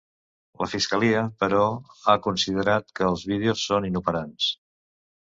La fiscalia, però, ha considerat que els vídeos són ‘inoperants’.